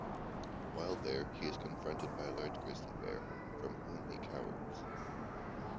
While there, he is confronted by a large grizzly bear, from whom he cowers.